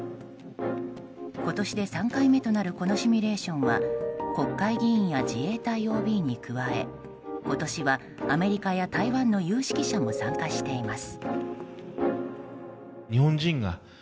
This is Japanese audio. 今年で３回目となるこのシミュレーションは国会議員や自衛隊ＯＢに加え今年はアメリカや台湾の有識者も参加しています。